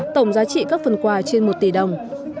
tổng giá trị các phần quà trên một tỷ đồng